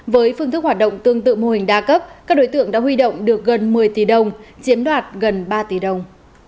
với phương thức hoạt động tương tự mô hình đa cấp các đối tượng đã huy động được gần một mươi tỷ đồng chiếm đoạt gần ba tỷ đồng